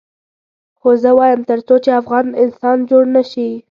خو زه وایم تر څو چې افغان انسان جوړ نه شي.